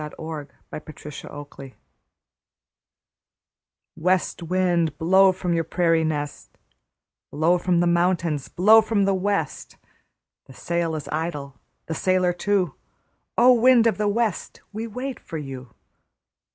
THE SONG MY PADDLE SINGS West wind, blow from your prairie nest, Blow from the mountains, blow from the west. The sail is idle, the sailor too; O! wind of the west, we wait for you.